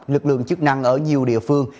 lực lượng chức năng ở nhiều địa phương